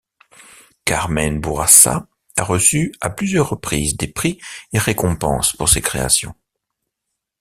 Carmen Bourassa a reçu à plusieurs reprises des prix et récompenses pour ses créations.